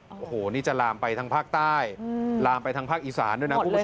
โอ้โหนี่จะลามไปทางภาคใต้ลามไปทางภาคอีสานด้วยนะคุณผู้ชม